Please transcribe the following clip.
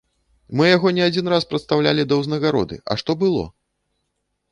Мы яго не адзін раз прадстаўлялі да ўзнагароды, а што было?